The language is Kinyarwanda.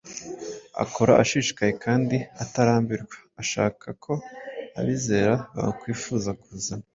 Akora ashishikaye kandi atarambirwa ashaka ko abizera bakwifuza kuzana